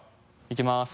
いきます。